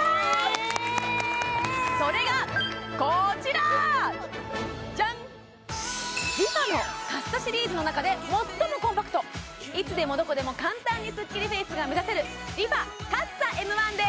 ええっそれがこちらジャンＲｅＦａのカッサシリーズのなかで最もコンパクトいつでもどこでも簡単にスッキリフェイスが目指せるＲｅＦａＣＡＸＡＭ１です